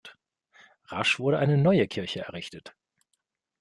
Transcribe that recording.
Rasch wurde eine neue Kirche errichtet.